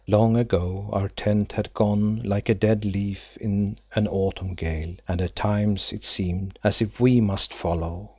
Long ago our tent had gone like a dead leaf in an autumn gale, and at times it seemed as if we must follow.